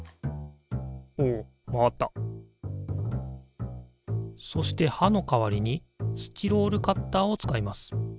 おお回ったそしてはの代わりにスチロールカッターを使います。